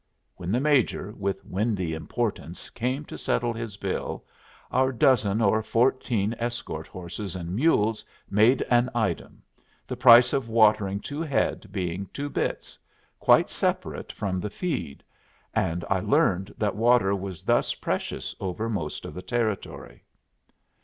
When the Major, with windy importance, came to settle his bill, our dozen or fourteen escort horses and mules made an item, the price of watering two head being two bits, quite separate from the feed; and I learned that water was thus precious over most of the Territory.